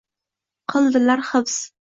Qildilar hibs